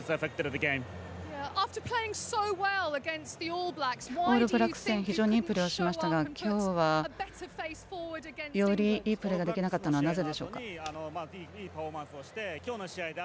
オールブラックス戦非常にいいプレーをしましたが今日はよりいいプレーができなかったのはなぜでしょうか。